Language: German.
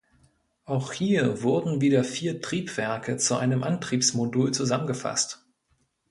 Auch hier wurden wieder vier Triebwerke zu einem Antriebsmodul zusammengefasst.